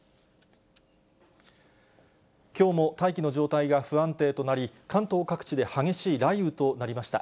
きょうも大気の状態が不安定となり、関東各地で激しい雷雨となりました。